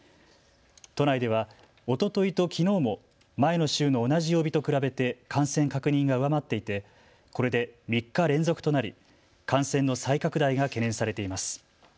都内では、おとといときのうも前の週の同じ曜日と比べて感染確認が上回っていてこれで３日連続となり感染の再拡大が懸念されています。